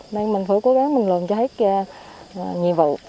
nên mình phải cố gắng mình làm cho hết nhiệm vụ